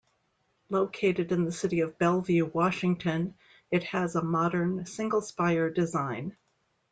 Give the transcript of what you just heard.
Located in the city of Bellevue, Washington, it has a modern single-spire design.